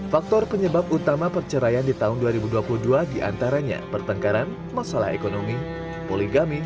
faktor penyebab utama perceraian di tahun dua ribu dua puluh dua diantaranya pertengkaran masalah ekonomi poligami